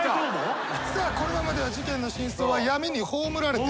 このままでは事件の真相は闇に葬られてしまう。